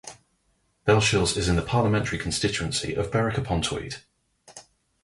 Bellshill is in the parliamentary constituency of Berwick-upon-Tweed.